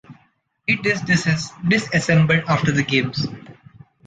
It was disassembled after the Games.